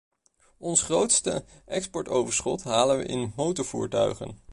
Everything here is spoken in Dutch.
Ons grootste exportoverschot halen we in motorvoertuigen.